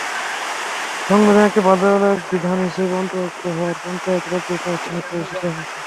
সংবিধানে এটি বাধ্যতামূলক বিধান হিসেবে অন্তর্ভুক্ত হওয়ায় পঞ্চায়েত রাজের প্রাতিষ্ঠানিক প্রতিষ্ঠা হয়েছে।